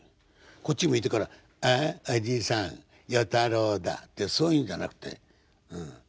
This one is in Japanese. こっち向いてから「あっおいさん与太郎だ」ってそういうんじゃなくて。